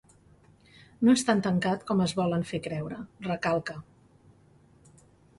No és tan tancat, com es volen fer creure, recalca.